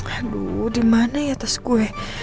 aduh dimana ya tas kue